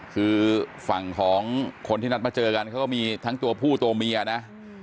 คือฝั่งของคนที่นัดมาเจอกันเขาก็มีทั้งตัวผู้ตัวเมียนะ